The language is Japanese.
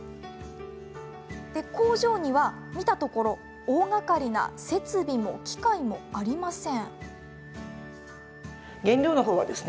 工場には、見たところ大がかりな設備も機械もありません。